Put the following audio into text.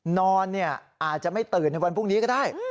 นอนอาจจะไม่ตื่นในวันพรุ่งนี้ก็ได้